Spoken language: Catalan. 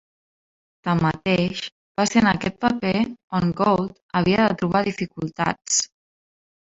Tanmateix, va ser en aquest paper on Gould havia de trobar dificultats.